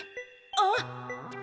あっ！